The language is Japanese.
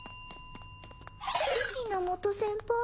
源先輩